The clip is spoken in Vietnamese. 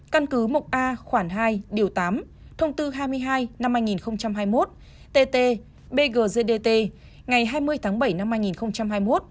căn cứ một a khoảng hai điều tám thông tư hai mươi hai năm hai nghìn hai mươi một tt bggdtt ngày hai mươi tháng bảy năm hai nghìn hai mươi một